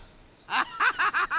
アハハハ！